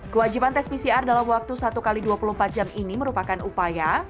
kewajiban tes pcr dalam waktu satu x dua puluh empat jam ini merupakan upaya